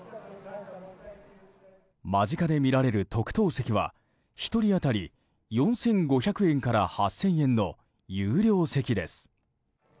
間近で見られる特等席は１人当たり４５００円から８０００円の有料席です。